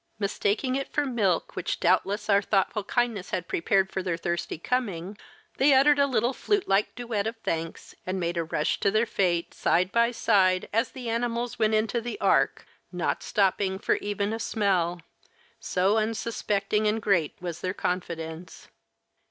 Mistaking it for milk which doubtless our thoughtful kindness had prepared for their thirsty coming, they uttered a little flute like duet of thanks and made a rush to their fate, side by side, as the animals went into the ark, not stopping for even a smell, so unsuspecting and great was their confidence.